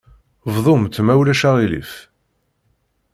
Bdumt, ma ulac aɣilif.